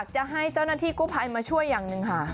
เจ้าหน้าที่กูพายมาช่วยอย่างนึงค่ะ